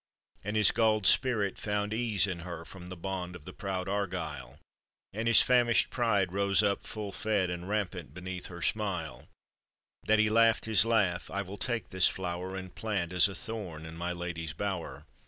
And his galled spirit found ease in her From the bond of the proud Argyle, And his famished pride rose up full fed, And rampant beneath her smile, That he laughed his laugh :" I will take this flower And plant as a thorn in my lady's bower."